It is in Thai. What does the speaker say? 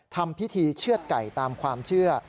ทำพิธีเชื่อดไก่ตามความเชื่อ